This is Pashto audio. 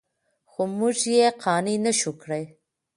خو موږ یې قانع نه شوو کړی.